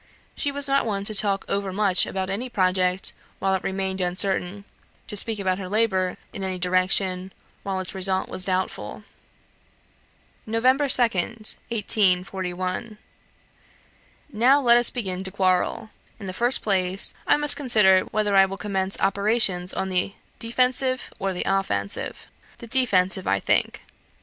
She was not one to talk over much about any project, while it remained uncertain to speak about her labour, in any direction, while its result was doubtful. "Nov. 2nd, 1841. "Now let us begin to quarrel. In the first place, I must consider whether I will commence operations on the defensive, or the offensive. The defensive, I think.